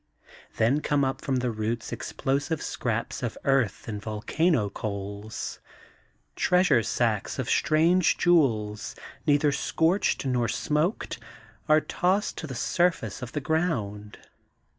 Then come up from the roots explosive scraps of earth and volcano coals. Treasure sacks of strange jewels, neither scorched nor smoked, are tossed to the surface of the ground.